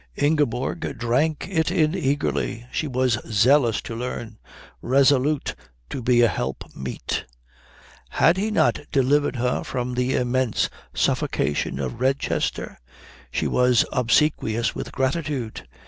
Ingeborg drank it in eagerly. She was zealous to learn; resolute to be a helpmeet. Had he not delivered her from the immense suffocation of Redchester? She was obsequious with gratitude.